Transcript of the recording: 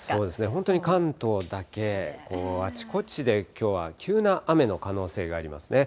本当に関東だけ、あちこちできょうは急な雨の可能性がありますね。